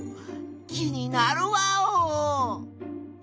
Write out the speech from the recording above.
気になるワオ！